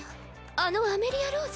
あのアメリア＝ローズ？